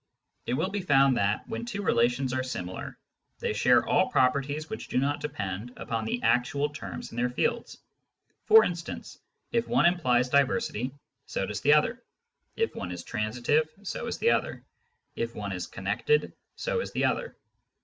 It will be found that, when two relations are similar, they share all properties which do not depend upon the actual terms in their fields. For instance, if one implies diversity, so does the other ; if one is transitive, so is the other ; if one is con nected, so is the other.